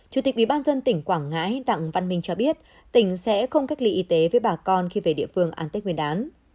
chủ tịch ubnd tỉnh quảng ngãi đặng văn minh cho biết tỉnh sẽ không cách ly y tế với bà con khi về địa phương an tết nguyên đán